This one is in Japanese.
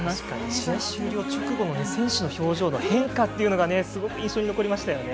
試合終了直後の選手の表情の変化がすごく印象に残りましたよね。